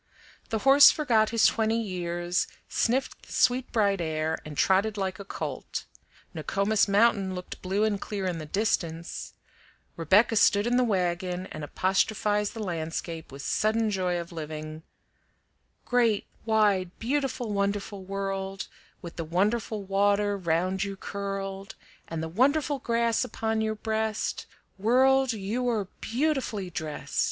The horse forgot his twenty years, sniffed the sweet bright air, and trotted like a colt; Nokomis Mountain looked blue and clear in the distance; Rebecca stood in the wagon, and apostrophized the landscape with sudden joy of living: "Great, wide, beautiful, wonderful World, With the wonderful water round you curled, And the wonderful grass upon your breast, World, you are beautifully drest!"